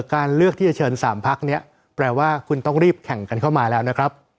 การเลือกที่จะเชิญ๓พักนี้แปลว่าคุณต้องรีบแข่งกันเข้ามาแล้วนะครับ